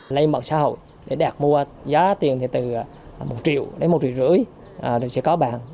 lấy mặt xã hội để đạt mua giá tiền từ một triệu đến một triệu rưỡi